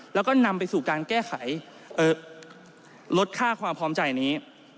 แล้วก็นำไปสู่การแก้ไขลดค่าความพร้อมใจนี้